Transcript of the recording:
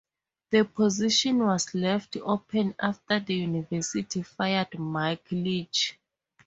The position was left open after the university fired Mike Leach.